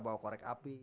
bawa korek api